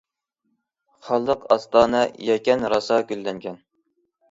خانلىق ئاستانە يەكەن راسا گۈللەنگەن.